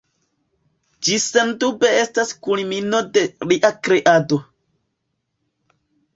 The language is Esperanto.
Ĝi sendube estas kulmino de lia kreado.